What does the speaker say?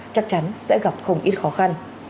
chắc chắn sẽ gặp không ít khó khăn